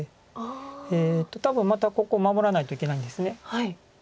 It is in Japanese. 多分またここ守らないといけないんです。